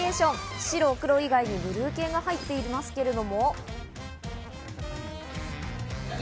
白、黒以外にブルー系も入っていますけれども。